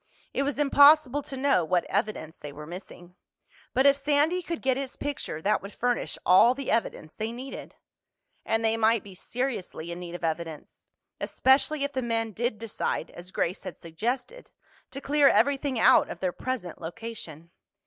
It was impossible to know what evidence they were missing. But if Sandy could get his picture that would furnish all the evidence they needed. And they might be seriously in need of evidence—especially if the men did decide, as Grace had suggested, to clear everything out of their present location.